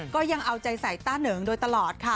ก็ยังเอาใจใส่ต้าเหนิงโดยตลอดค่ะ